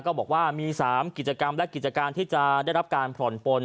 ก็บอกว่ามี๓กิจกรรมและกิจการที่จะได้รับการผ่อนปน